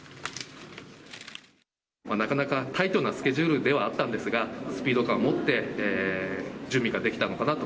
なかなかタイトなスケジュールではあったんですが、スピード感をもって準備ができたのかなと。